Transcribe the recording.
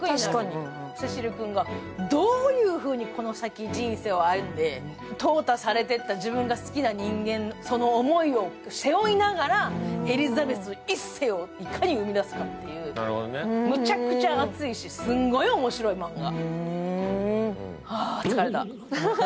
セシル君がどういうふうにこの先、人生を歩んで、とう汰されていった自分の好きな人間に、エリザベス１世をいかに生み出すかっていうむちゃくちゃ熱いし、すんごい面白いマンガ。